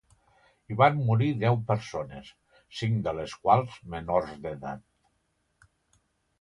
Hi van morir deu persones, cinc de les quals menors d'edat.